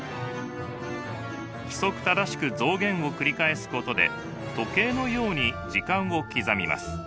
規則正しく増減を繰り返すことで時計のように時間を刻みます。